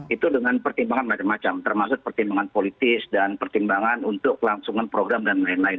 itu dengan pertimbangan macam macam termasuk pertimbangan politis dan pertimbangan untuk kelangsungan program dan lain lain